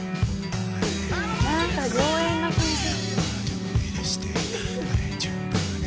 なんか妖艶な感じ。